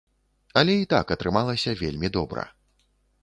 Але і так атрымалася вельмі добра.